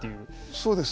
そうです。